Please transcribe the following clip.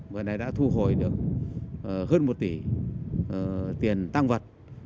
và này đã thu hồi được hơn một tỷ tiền tăng vật